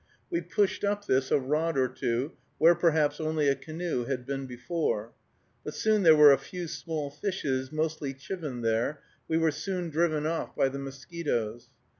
We pushed up this a rod or two, where, perhaps, only a canoe had been before. But though there were a few small fishes, mostly chivin, there, we were soon driven off by the mosquitoes.